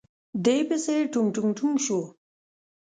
دې پسې ټونګ ټونګ ټونګ شو.